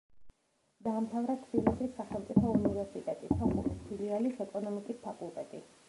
დაამთავრა თბილისის სახელმწიფო უნივერსიტეტი სოხუმის ფილიალის ეკონომიკის ფაკულტეტი.